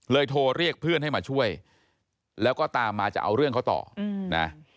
โทรเรียกเพื่อนให้มาช่วยแล้วก็ตามมาจะเอาเรื่องเขาต่อนะ